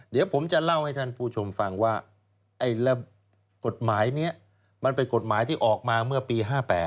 เดี๋ยวผมจะเล่าให้ท่านผู้ชมฟังว่ากฎหมายนี้มันเป็นกฎหมายที่ออกมาเมื่อปี๕๘